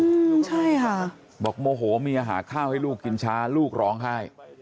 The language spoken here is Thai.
อืมใช่ค่ะบอกโมโหเมียหาข้าวให้ลูกกินช้าลูกร้องไห้